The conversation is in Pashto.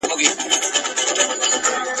ته په خپل سیوري کي ورک یې !.